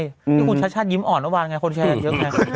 ที่คุณชัดยิ้มอ่อนเมื่อวานไงคนแชร์เยอะแค่